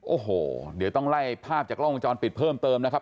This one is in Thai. โอ้โหเดี๋ยวต้องไล่ภาพจากกล้องวงจรปิดเพิ่มเติมนะครับ